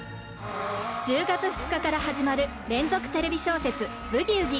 １０月２日から始まる連続テレビ小説「ブギウギ」。